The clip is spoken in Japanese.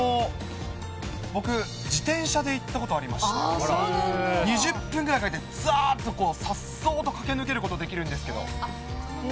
僕、自転車で行ったことがありまして、２０分ぐらいかけてざーっと、さっそうと駆け抜けることができるんですけど。